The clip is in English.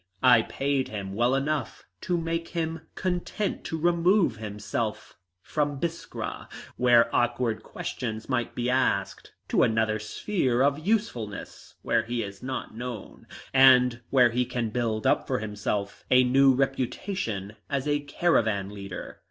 I paid him well enough to make him content to remove himself from Biskra, where awkward questions might be asked, to another sphere of usefulness where he is not known, and where he can build up for himself a new reputation as a caravan leader."